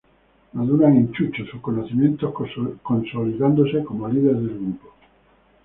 Maduran en Chucho sus conocimientos, consolidándose como líder del grupo.